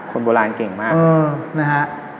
คนโบราณเก่งมาก